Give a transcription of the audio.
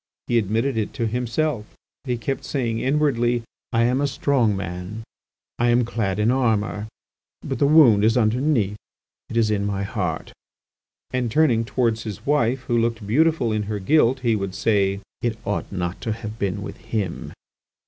He admitted it to himself, he kept saying inwardly, "I am a strong man; I am clad in armour; but the wound is underneath, it is in my heart," and turning towards his wife, who looked beautiful in her guilt, he would say: "It ought not to have been with him."